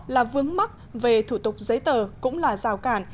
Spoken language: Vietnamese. là vướng mắc về thủ tục giấy tờ cũng là rào cản